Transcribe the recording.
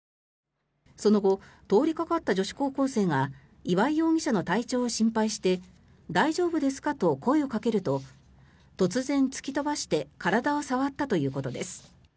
その後、通りかかった女子高校生が岩井容疑者の体調を心配して大丈夫ですかと声をかけると突然、突き飛ばして体を触ったということです。